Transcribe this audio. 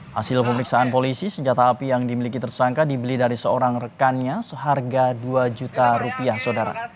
hasil pemeriksaan polisi senjata api yang dimiliki tersangka dibeli dari seorang rekannya seharga dua juta rupiah saudara